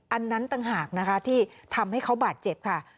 อันนั้นต่างหากนะคะที่ทำให้เขาบาดเจ็บค่ะ